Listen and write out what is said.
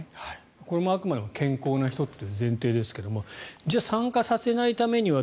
これもあくまでも健康な人という前提ですが酸化させないためには。